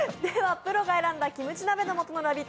プロが選んだキムチ鍋の素のラヴィット！